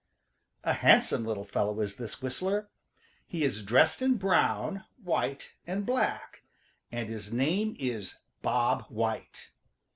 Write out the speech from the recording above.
A handsome little fellow is this whistler. He is dressed in brown, white and black, and his name is Bob White.